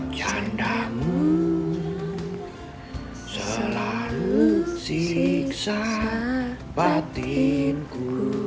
candamu selalu siksa batinku